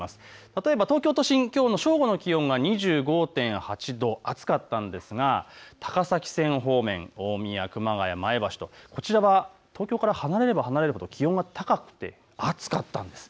例えば東京都心、きょうの正午の気温が２５．８度、暑かったですが高崎線方面、大宮、熊谷、前橋と東京から離れれば離れるほど気温が上がって暑かったんです。